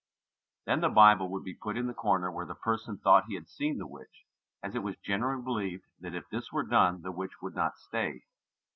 Then the Bible would be put in the corner where the person thought he had seen the witch, as it was generally believed that if this were done the witch could not stay.